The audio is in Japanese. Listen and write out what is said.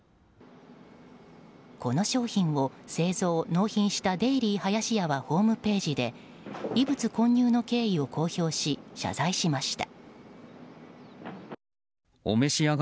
この商品を製造・納品したデイリーはやしやはホームページで異物混入の経緯を公表し謝罪しました。